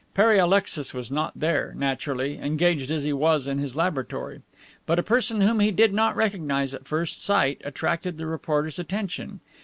Pere Alexis was not there, naturally, engaged as he was in his laboratory. But a person whom he did not recognize at first sight attracted the reporter's attention.